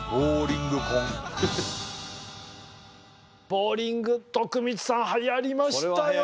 ボウリング徳光さんはやりましたよね。